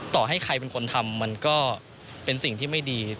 ต่อให้ใครเป็นคนทำมันก็เป็นสิ่งที่ไม่ดี